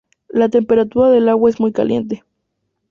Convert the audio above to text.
La temperatura del agua es muy caliente.